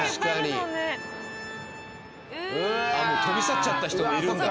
飛び去っちゃった人もいるんだ。